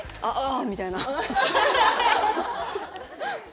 「あっああ」みたいな。